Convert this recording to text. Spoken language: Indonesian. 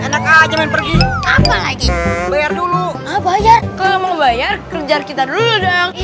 anak aja mencari apa lagi bayar dulu bayar ke mau bayar kerja kita dulu dong